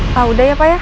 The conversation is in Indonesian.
pak udah ya pak ya